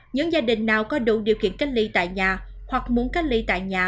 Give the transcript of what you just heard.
những gia đình nào có đủ điều kiện cách ly tại nhà hoặc muốn cách ly tại nhà